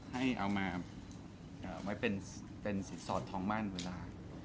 ให้เอามาไว้เป็นสินสอดทองมั่นเวลา